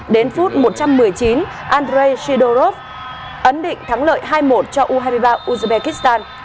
đến phút một trăm một mươi chín andrey shidoff ấn định thắng lợi hai một cho u hai mươi ba uzbekistan